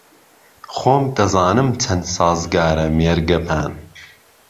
خۆم دهزانم چهن سازگاره مێرگهپان